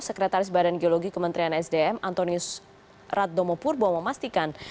sekretaris badan geologi kementerian sdm antonius raddomo purbo memastikan